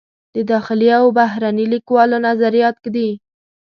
د داخلي و بهرني لیکوالو نظریات ږدي.